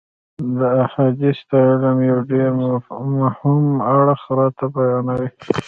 دا حدیث د علم یو ډېر مهم اړخ راته بیانوي.